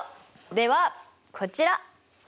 ではこちら。